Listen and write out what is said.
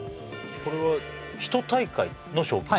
これは一大会の賞金？